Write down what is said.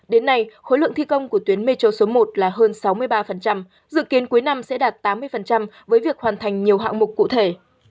đến nay khối lượng thi công của tuyến metro số một là hơn sáu mươi ba dự kiến cuối năm sẽ đạt tám mươi với việc hoàn thành nhiều hạng mục cụ thể